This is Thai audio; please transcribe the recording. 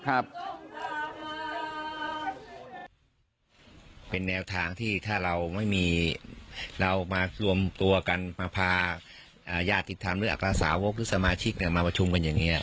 อากาศสาวกหรือสมาชิกมาประชุมกันอย่างเนี่ย